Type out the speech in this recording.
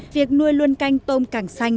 việc nuôi luôn canh tôm càng xanh